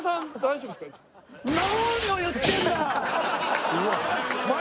何を言ってるんだ！